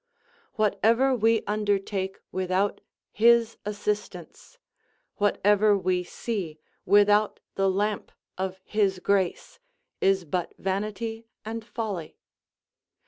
Whatever we undertake without his assistance, whatever we see without the lamp of his grace, is but vanity and folly.